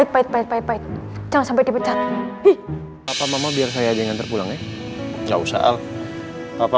baik baik jangan sampai dipecat papa mama biar saya aja yang nganter pulang ya nggak usah al papa